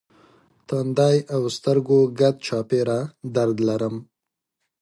تندی او سترګو ګرد چاپېره درد لرم.